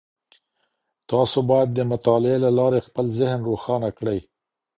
تاسو بايد د مطالعې له لاري خپل ذهن روښانه کړئ.